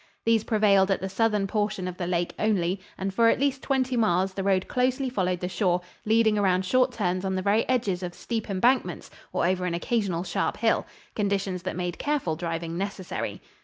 These prevailed at the southern portion of the lake only, and for at least twenty miles the road closely followed the shore, leading around short turns on the very edges of steep embankments or over an occasional sharp hill conditions that made careful driving necessary.